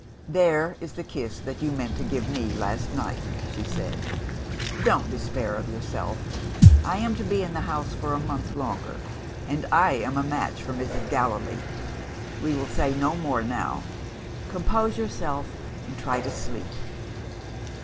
'There is the kiss that you meant to give me last night,' she said. 'Don't despair of yourself. I am to be in the house for a month longer; and I am a match for Mrs. Gallilee. We will say no more now. Compose yourself, and try to sleep.